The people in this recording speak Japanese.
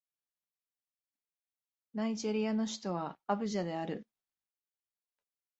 ナイジェリアの首都はアブジャである